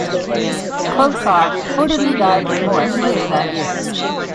Chlothar reportedly died of remorse later that year.